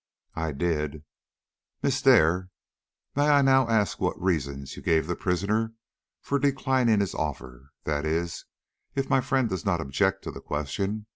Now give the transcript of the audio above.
"I did." "Miss Dare, may I now ask what reasons you gave the prisoner for declining his offer that is, if my friend does not object to the question?"